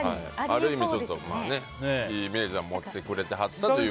ある意味、いいイメージは持ってくれてはったと。